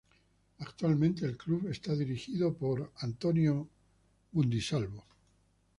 Actualmente el club es dirigido por Roy Hodgson.